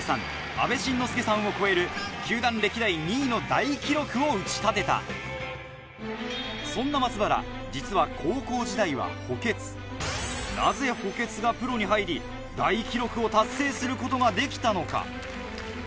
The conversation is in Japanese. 阿部慎之助さんを超える球団歴代２位の大記録を打ち立てたそんな松原実はなぜ補欠がプロに入り大記録を達成することができたのか？